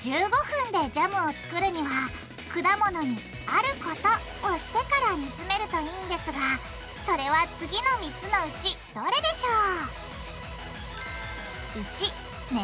１５分でジャムを作るには果物に「あること」をしてから煮詰めるといいんですがそれは次の３つのうちどれでしょう？